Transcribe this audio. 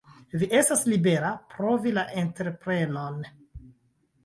Vi estas libera, provi la entreprenon.